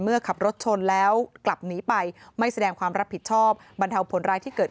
ขับรถชนแล้วกลับหนีไปไม่แสดงความรับผิดชอบบรรเทาผลร้ายที่เกิด